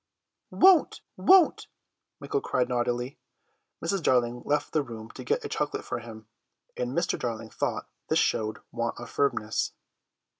"Won't; won't!" Michael cried naughtily. Mrs. Darling left the room to get a chocolate for him, and Mr. Darling thought this showed want of firmness.